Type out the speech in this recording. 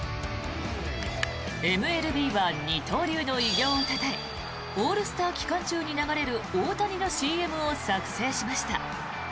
ＭＬＢは二刀流の偉業をたたえオールスター期間中に流れる大谷のＣＭを作成しました。